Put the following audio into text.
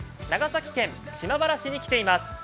長崎県島原市に来ています。